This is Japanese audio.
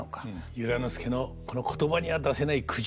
由良之助のこの言葉には出せない苦渋の選択。